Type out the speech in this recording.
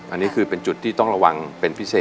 อันนี้คือเป็นจุดที่ต้องระวังเป็นพิเศษ